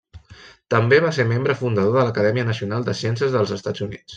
També va ser membre fundador de l'Acadèmia Nacional de Ciències dels Estats Units.